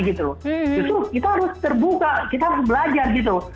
justru kita harus terbuka kita harus belajar gitu